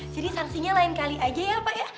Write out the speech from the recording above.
jadi saksinya lain kali aja ya pak ya